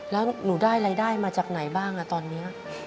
แล้วหนูได้รายได้มาจากไหนบ้างตอนนี้